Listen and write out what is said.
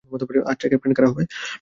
আচ্ছা, ক্যাপ্টেন কারা হবে?